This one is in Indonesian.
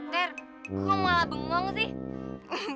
ter gue malah bengong sih